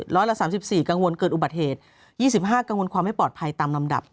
ละ๓๔กังวลเกิดอุบัติเหตุ๒๕กังวลความไม่ปลอดภัยตามลำดับ